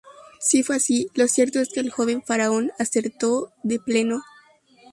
Si fue así, lo cierto es que el joven faraón acertó de pleno.